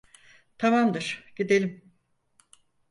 Tamamdır, gidelim.